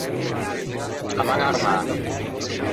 À man armâ.